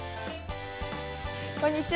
こんにちは。